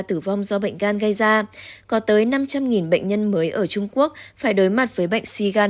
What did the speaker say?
tử vong do bệnh gan gây ra có tới năm trăm linh bệnh nhân mới ở trung quốc phải đối mặt với bệnh suy gan